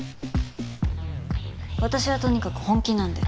私はとにかく本気なんで。